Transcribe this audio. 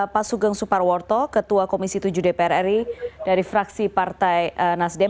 pak sugeng suparworto ketua komisi tujuh dpr ri dari fraksi partai nasdem